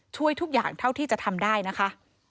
ช่วยทุกอย่างเท่าที่จะทำได้นะคะ